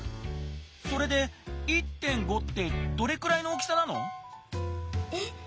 それで「１．５」ってどれくらいの大きさなの？え？